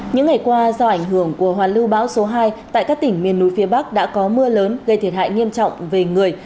những ngày qua do ảnh hưởng của hoàn lưu bão số hai tại các tỉnh miền núi phía bắc đã có mưa lớn gây thiệt hại nghiêm trọng về người